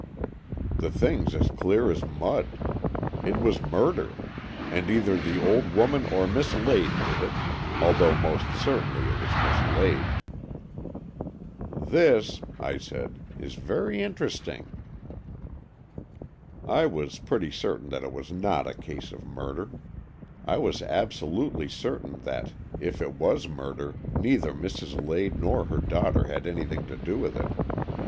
The thing's as clear as mud. It was murder. And either the old woman or Miss Lade did it, though almost certainly it was Miss Lade." " This," I said, " is very interesting." I was pretty certain that it was not a case of murder. I was absolutely certain that, if it was murder, neither Mrs. Lade nor her daughter had anything to do with it.